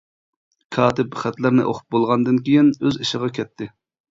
كاتىپ خەتلەرنى ئوقۇپ بولغاندىن كېيىن ئۆز ئىشىغا كەتتى.